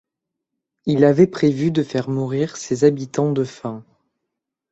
Il avait prévu de faire mourir ses habitants de faim.